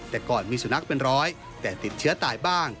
แต่ก่อนมีสุนัขเป็นร้อยแต่ติดเชื้อตายบ้าง